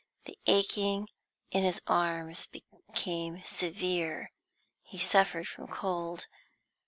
The aching in his arms became severe; he suffered from cold.